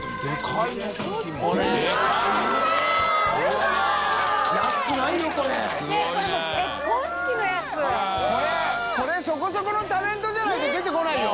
悗А舛叩海そこそこのタレントじゃないと出てこないよ。